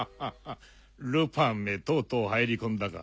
ルパンめとうとう入り込んだか。